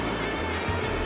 jangan makan aku